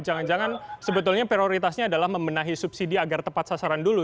jangan jangan sebetulnya prioritasnya adalah membenahi subsidi agar tepat sasaran dulu